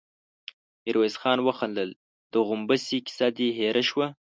ميرويس خان وخندل: د غومبسې کيسه دې هېره شوه؟